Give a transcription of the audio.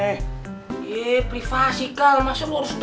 eh privasi kal masa lo harus denger sih